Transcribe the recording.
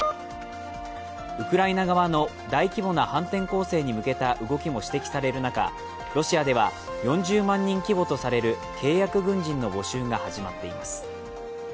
ウクライナ側の大規模な反転攻勢に向けた動きも指摘される中、ロシアでは４０万人規模とされる契約軍人の募集が始まっています。